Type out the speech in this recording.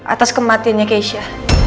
atas kematiannya keisha